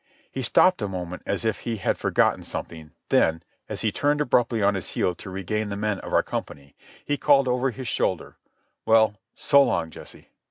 He stopped a moment as if he had forgotten something, then, as he turned abruptly on his heel to regain the men of our company, he called over his shoulder, "Well, so long, Jesse."